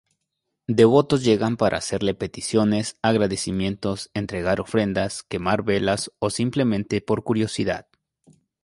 Devotos llegan para hacerle peticiones, agradecimientos, entregar ofrendas, quemar velas o simplemente por curiosidad.